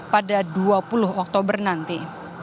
pada dua puluh oktober nanti